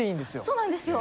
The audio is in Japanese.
そうなんですよ。